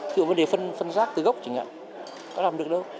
tự vấn đề phân giác từ gốc chẳng hạn nó làm được đâu